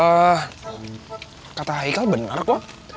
eh kata aikal benar kok